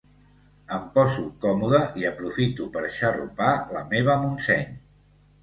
Em poso còmoda i aprofito per xarrupar la meva Montseny.